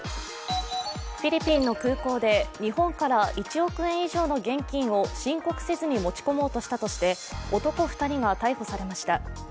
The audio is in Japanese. フィリピンの空港で日本から１億円以上の現金を申告せずに持ち込もうとしたとして男２人が逮捕されました。